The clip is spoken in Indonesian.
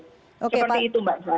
seperti itu mbak